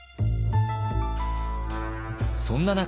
そんな中